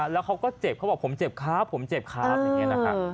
แล้วเขาก็เจ็บเขาบอกผมเจ็บครับผมเจ็บครับอย่างนี้นะฮะ